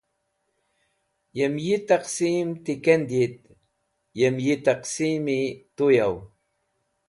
Yem yi taqsim ti kend yit, yem yi taqsimi tu yaw.